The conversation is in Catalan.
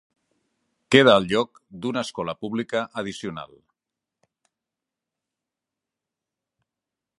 Queda el lloc d'una escola pública addicional.